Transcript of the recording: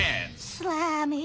スラミー。